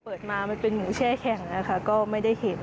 เปิดมามันเป็นหมูแช่แข็งนะคะก็ไม่ได้เห็น